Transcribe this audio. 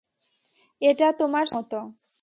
এটা তোমার চোখের মতো।